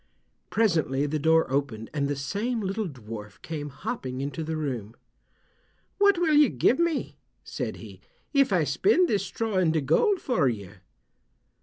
Presently the door opened, and the same little dwarf came hopping into the room. "What will you give me," said he, "if I spin this straw into gold for you?"